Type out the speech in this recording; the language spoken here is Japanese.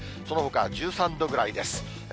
そのほかは１３度ぐらいです。